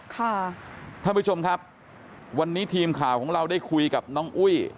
ท่านผู้ชมครับวันนี้ทีมข่าวของเราได้คุยกับน้องอุ้ย